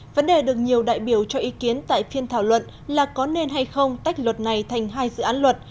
vấn đề được nhiều đại biểu cho ý kiến tại phiên thảo luận là có nên hay không tách luật này thành hai dự án luật